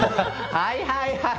はいはいはい。